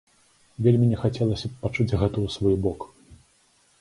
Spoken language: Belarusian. Вельмі не хацелася б пачуць гэта ў свой бок.